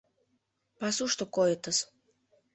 Пасушто койытыс.